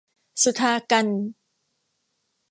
สุธากัญจน์